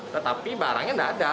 tetapi barangnya tidak ada